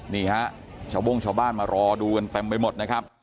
นี่ฮะชาวโบ้งชาวบ้านมารอดูกันเต็มไปหมดนะครับ